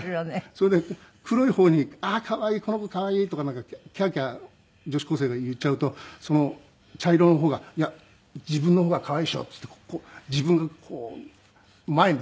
それで黒い方に「ああ可愛い！この子可愛い！」とかなんかキャーキャー女子高生が言っちゃうと茶色の方が「いや自分の方が可愛いでしょ」っつって自分がこう前に出てくるんですよ。